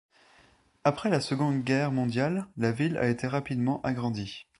Après la Seconde Guerre mondiale, la ville a été rapidement agrandie.